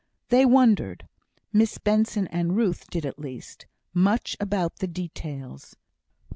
They wondered Miss Benson and Ruth did at least much about the details.